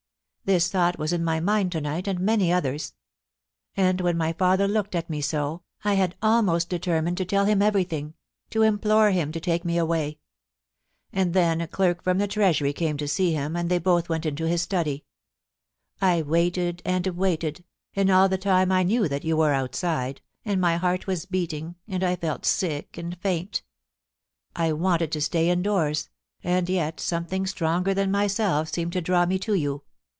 ... This thought was in my mind to night, and many others ; and when my father looked at me so, I had almost determined to tell him every thing, to implore him to take me away. ... And then a clerk from the Treasury came to see him, and they both went into his study. ... I waited and waited, and all the time I knew that you were outside, and my heart was beat ing, and I felt sick and faint I wanted to stay indoors, and yet something stronger than myself seemed to draw mc to you.